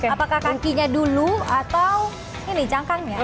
apakah kakinya dulu atau ini cangkangnya